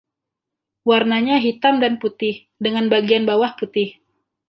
Warnanya hitam dan putih, dengan bagian bawah putih.